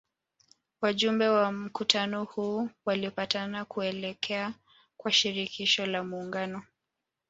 Wajumbe wa mkutano huu walipatana kuelekea kwa Shirikisho la muungano